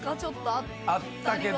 会ったけど。